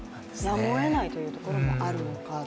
やむをえないというところもあるのか。